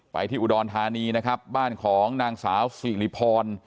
ไปที่อุดรธานีนะครับบ้านของนางสาวสิริพร